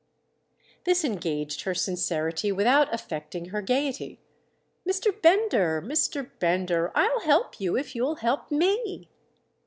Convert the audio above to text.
This engaged her sincerity without affecting her gaiety. "Mr. Bender, Mr. Bender, I'll help you if you'll help me!"